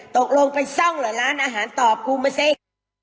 ตกลงไปซ่องเหรอร้านอาหารตอบกูมาสิ